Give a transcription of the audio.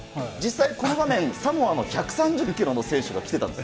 実際、この場面、サモアの１３０キロの選手が来てたんです。